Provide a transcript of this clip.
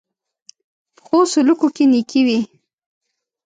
پخو سلوکو کې نېکي وي